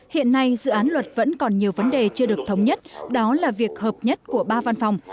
hiện nay dự án luật vẫn còn nhiều vấn đề chưa được thống nhất đó là việc hợp nhất của ba văn phòng